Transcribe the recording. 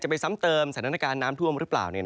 ไปซ้ำเติมสถานการณ์น้ำท่วมหรือเปล่า